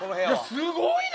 すごいな！